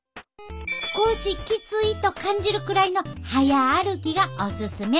少しきついと感じるくらいの早歩きがおすすめ。